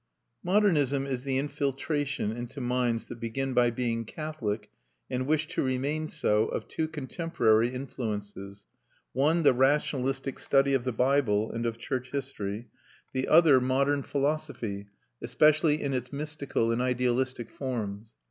Modernism is the infiltration into minds that begin by being Catholic and wish to remain so of two contemporary influences: one the rationalistic study of the Bible and of church history, the other modern philosophy, especially in its mystical and idealistic forms.